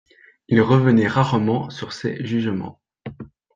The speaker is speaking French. Il revenait rarement sur ses jugements.